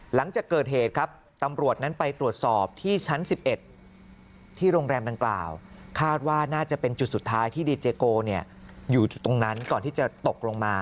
หลังจากเกิดเหตุครับตำรวจนั้นไปตรวจสอบที่ชั้น๑๑ที่โรงแรมดังกล่าวคาดว่าน่าจะเป็นจุดสุดท้ายที่ดีเจโกอยู่ตรงนั้นก่อนที่จะตกลงมา